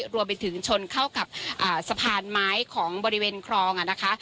รวมไปถึงชนเข้ากับสะพานไม้ของบริเวณคลองนะคะ